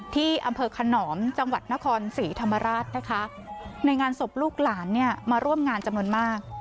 ที่อำเภอขนอมจังหวัดนครศรีธรรมราชนะคะในงานศพลูกหลานเนี่ยมาร่วมงานจำนวนมาก